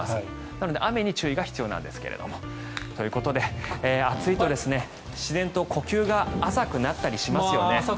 なので雨に注意が必要です。ということで、暑いと自然と呼吸が浅くなったりしますよね。